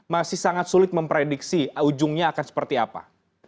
masih sangat sulit memprediksi ujungnya akan seperti apa